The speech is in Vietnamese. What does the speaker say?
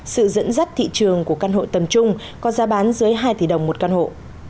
sự dẫn dắt thị trường của căn hộ tầm trung có giá bán dưới hai tỷ đồng một căn hộ